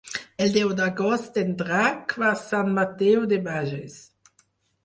El deu d'agost en Drac va a Sant Mateu de Bages.